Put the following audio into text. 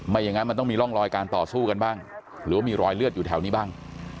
อย่างนั้นมันต้องมีร่องรอยการต่อสู้กันบ้างหรือว่ามีรอยเลือดอยู่แถวนี้บ้าง